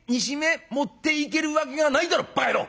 持っていけるわけがないだろばか野郎！」。